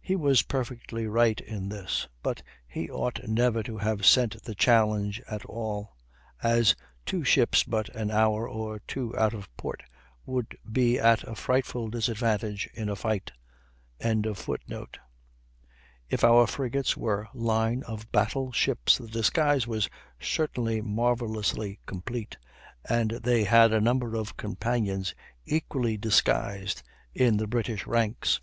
He was perfectly right in this; but he ought never to have sent the challenge at all, as two ships but an hour or two out of port would be at a frightful disadvantage in a fight.] If our frigates were line of battle ships the disguise was certainly marvellously complete, and they had a number of companions equally disguised in the British ranks.